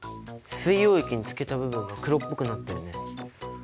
水溶液につけた部分が黒っぽくなってるね。